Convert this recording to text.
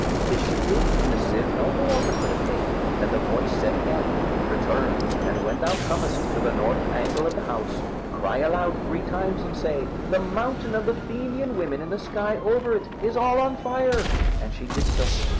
This she did, and the sieve held the water for the cake; and the voice said again: "Return, and when thou comest to the north angle of the house, cry aloud three times and say, 'The mountain of the Fenian women and the sky over it is all on fire.'" And she did so.